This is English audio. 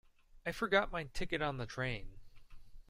I forgot my ticket on the train.